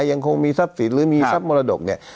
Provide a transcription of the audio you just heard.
ยังคงมีทรัพย์สินหรือมีทรัพย์มรดกเนี่ย